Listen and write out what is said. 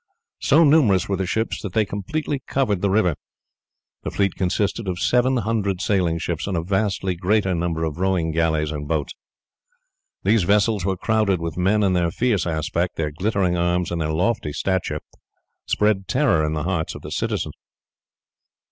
So numerous were the ships that they completely covered the river. The fleet consisted of seven hundred sailing ships, and a vastly greater number of rowing galleys and boats. These vessels were crowded with men, and their fierce aspect, their glittering arms, and their lofty stature, spread terror in the hearts of the citizens.